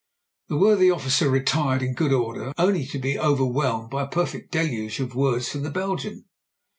The worthy officer retired in good order, only to be overwhelmed by a perfect deluge of words from the Belgian.